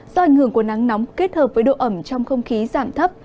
do ảnh hưởng của nắng nóng kết hợp với độ ẩm trong không khí giảm thấp